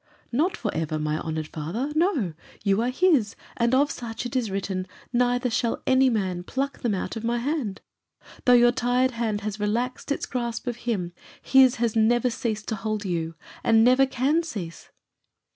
"Not for ever, my honoured father. No; you are his, and of such it is written, 'Neither shall any man pluck them out of my hand.' Though your tired hand has relaxed its grasp of him, his has never ceased to hold you, and never can cease."